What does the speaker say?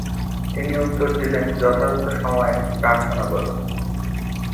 তিনি উত্তর দিলেন, 'যথাযথ সময়ে প্রার্থনা করুন।'